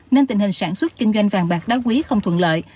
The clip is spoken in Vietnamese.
nên tình hình sản xuất kinh doanh vàng bạc đá quý không thuận lợi